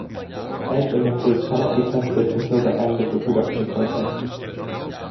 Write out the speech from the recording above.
Edge-emitters cannot be tested until the end of the production process.